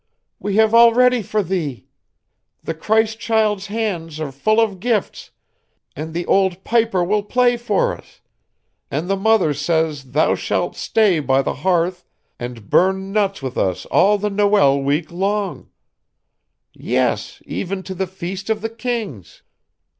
We have all ready for thee. The Christ child's hands are full of gifts, and the old piper will play for us; and the mother says thou shalt stay by the hearth and burn nuts with us all the Noël week long yes, even to the Feast of the Kings!